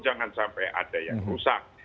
jangan sampai ada yang rusak